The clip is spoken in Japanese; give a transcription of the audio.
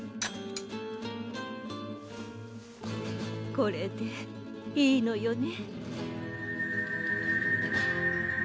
これでいいのよね？